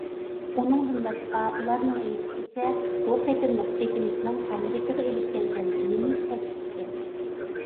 ئۇنىڭدىن باشقا ئۇلارنىڭ ئېيتىشىچە، بۇ قېتىملىق چېكىنىشنىڭ ئامېرىكىغا ئېلىپ كەلگەن زىيىنى چەكلىك ئىكەن.